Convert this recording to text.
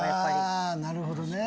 なるほどね。